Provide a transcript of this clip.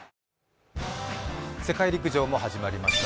世界陸上も始まりました。